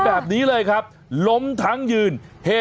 เบิร์ตลมเสียโอ้โห